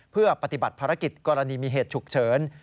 เพื่อปฏิบัติภารกิจกรณีมีเหตุฉุกเฉิน